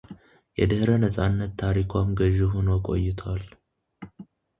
የድህረ ነጻነት ታሪኳም ገዥ ሆኖ ቆይቷል።